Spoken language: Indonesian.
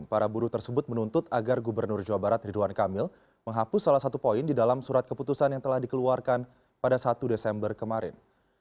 para buruh tersebut menuntut agar gubernur jawa barat ridwan kamil menghapus salah satu poin di dalam surat keputusan yang telah dikeluarkan pada satu desember kemarin